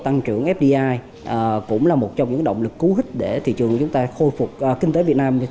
tăng trưởng fdi cũng là một trong những động lực cú hích để thị trường của chúng ta khôi phục kinh tế việt nam như